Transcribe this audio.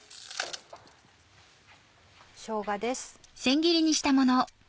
しょうがです。